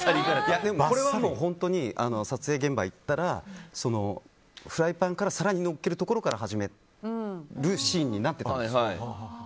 これは本当に撮影現場に行ったらフライパンから皿にのっけるところから始めるシーンになってたんですよ。